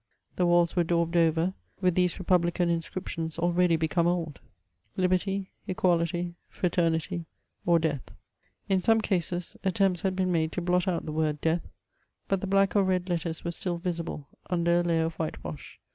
The walls were daubed over with these republican in scriptions already become old: Libebty — Equality — Fra ternity — or Death. In some cases, attempts had been made to blot out the word death — but the black or red letters were still visible under a layer of white wash.